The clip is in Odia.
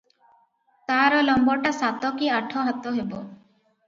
ତା'ର ଲମ୍ବଟା ସାତ କି ଆଠ ହାତ ହେବ ।